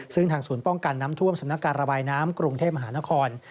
ซึ่งทางศูนย์ป้องกันน้ำท่วมสำนักการระบายน้ำกรุงเทพมหานคร